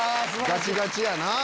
ガチガチやな。